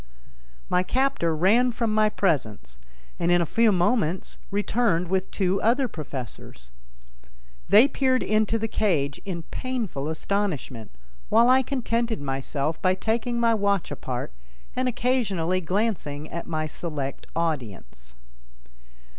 My captor ran from my presence and, in a few moments, returned with two other professors. They peered into the cage in painful astonishment, while I contented myself by taking my watch apart and occasionally glancing at my select audience.